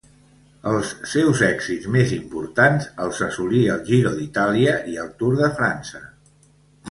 Els seus èxits més importants els assolí al Giro d'Itàlia i al Tour de França.